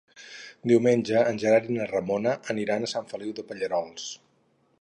Diumenge en Gerard i na Ramona aniran a Sant Feliu de Pallerols.